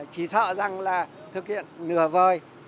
chỉ sợ rằng là thực hiện nửa vời